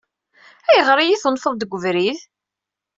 Ayɣer i yi-tunfeḍ deg ubrid?